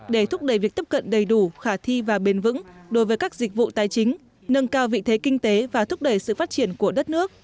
để thúc đẩy việc tiếp cận đầy đủ khả thi và bền vững đối với các dịch vụ tài chính nâng cao vị thế kinh tế và thúc đẩy sự phát triển của đất nước